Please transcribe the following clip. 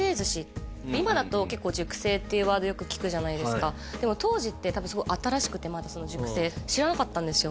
今だと結構熟成っていうワードよく聞くじゃないですかでも当時って多分すごい新しくてまだその熟成知らなかったんですよ